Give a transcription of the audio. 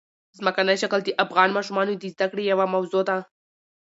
ځمکنی شکل د افغان ماشومانو د زده کړې یوه موضوع ده.